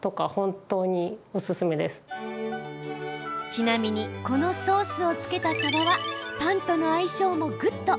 ちなみに、このソースを付けたさばは、パンとの相性もグッド！